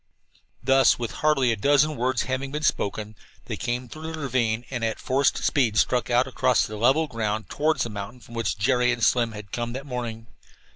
Thus, with hardly a dozen words having been spoken, they came through the ravine and at forced speed struck out across the level ground toward the mountain from which Jerry and Slim had come that morning.